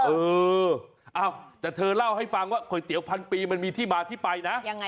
เออแต่เธอเล่าให้ฟังว่าก๋วยเตี๋ยวพันปีมันมีที่มาที่ไปนะยังไง